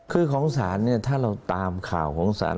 คือของศาลเนี่ยถ้าเราตามข่าวของศาล